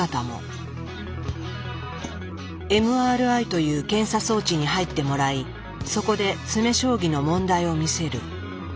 ＭＲＩという検査装置に入ってもらいそこで詰将棋の問題を見せる。